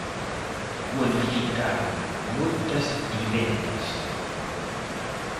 Cualificaron moitas vivendas.